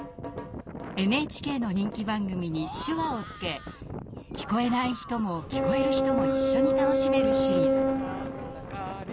ＮＨＫの人気番組に手話をつけ聞こえない人も聞こえる人も一緒に楽しめるシリーズ。